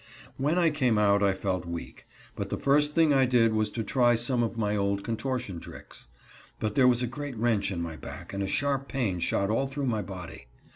When I came out I felt weak, but the first thing I did was to try some of my old contortion tricks. But there was a great wrench in my back and a sharp pain shot all through my body.